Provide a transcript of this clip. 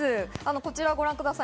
こちらをご覧ください。